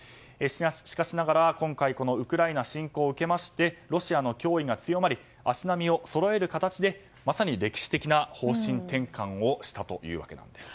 しかしながら今回ウクライナ侵攻を受けましてロシアの脅威が強まり足並みをそろえる形でまさに歴史的な方針転換をしたというわけなんです。